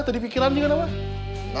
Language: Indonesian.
terdipikiran juga namanya